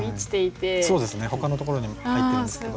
そうですねほかのところにも入ってるんですけど。